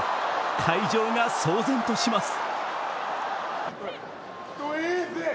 会場が騒然とします。